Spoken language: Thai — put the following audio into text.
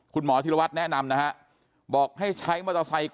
คุณหมอธิรวัตรแนะนำนะฮะบอกให้ใช้มอเตอร์ไซค์